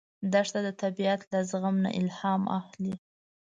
دښته د طبیعت له زغم نه الهام اخلي.